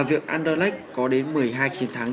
việc anderlecht có đến một mươi hai chiến thắng